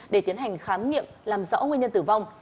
để tiến hành khám nghiệm làm rõ nguyên nhân tử vong